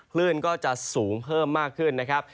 คลื่นก็จะสูงเพิ่มมากขึ้นนะครับ